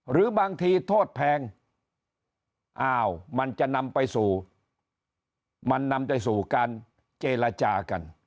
หรือบางทีโทษแพงอ้าวมันจะนำไปสู่การเจรจากัน